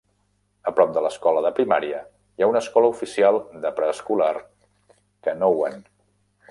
A prop de l'escola de primària, hi ha una escola oficial de preescolar Canouan.